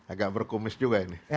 agak berkumis juga ini